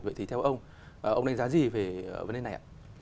vậy thì theo ông ông đánh giá gì về vấn đề này ạ